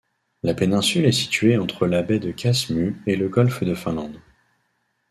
La péninsule est située entre la baie de Käsmu et le golfe de Finlande.